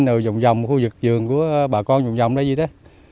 rồi vòng vòng khu vực vườn của bà con vòng vòng là gì đó